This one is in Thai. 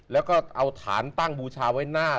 แล้วก็เอาฐานตั้งบูชาไว้หน้า